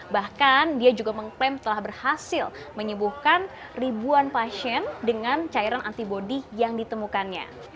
bahkan dia juga mengklaim telah berhasil menyembuhkan ribuan pasien dengan cairan antibody yang ditemukannya